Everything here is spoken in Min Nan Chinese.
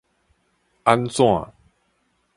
按怎